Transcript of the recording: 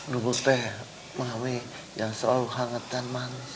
nubuk teh mami yang selalu hangat dan manis